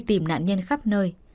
đi tìm nạn nhân khắp nơi